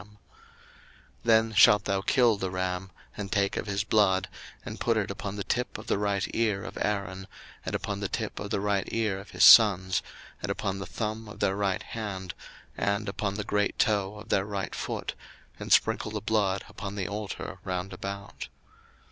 02:029:020 Then shalt thou kill the ram, and take of his blood, and put it upon the tip of the right ear of Aaron, and upon the tip of the right ear of his sons, and upon the thumb of their right hand, and upon the great toe of their right foot, and sprinkle the blood upon the altar round about.